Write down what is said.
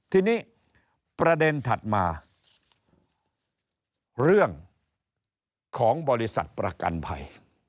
ทีนี้ประเด็นถัดมาเรื่องของบริษัทประกันภัย